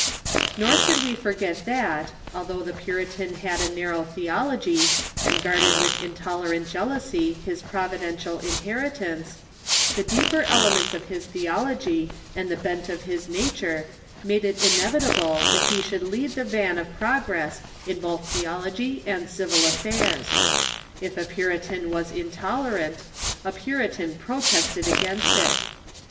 Nor should we forget that, although the Puritan had a nar row theology, and guarded with intolerant jealousy his provi dential inheritance, the deeper elements of his theology Proaress .... and tlie bent of his nature made it inevitable that he should lead the van of progress in both theology and civil af fairs. If a Puritan was intolerant, a Puritan protested against it.